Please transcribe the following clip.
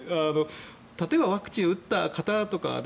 例えばワクチンを打った方とかね